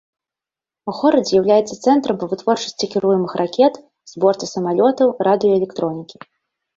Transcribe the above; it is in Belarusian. Горад з'яўляецца цэнтрам па вытворчасці кіруемых ракет, зборцы самалётаў, радыёэлектронікі.